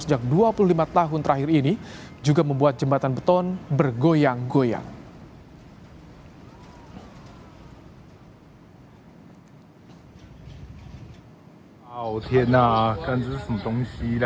sejak dua puluh lima tahun terakhir ini juga membuat jembatan beton bergoyang goyang